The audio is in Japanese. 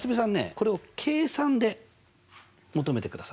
これを計算で求めてください。